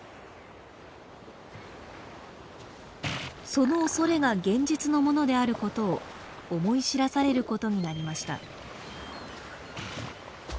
そのおそれが現実のものであることを思い知らされることになりました。